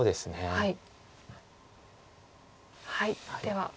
はい。